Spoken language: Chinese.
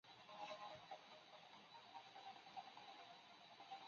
在肯尼亚和坦桑尼亚有从日本出口的二手车辆。